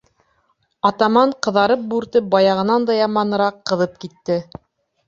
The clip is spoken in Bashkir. Атаман ҡыҙарып-бүртеп, баяғынан да яманыраҡ ҡыҙып китте.